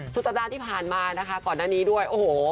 สัปดาห์ที่ผ่านมานะคะก่อนหน้านี้ด้วยโอ้โห